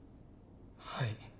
はい。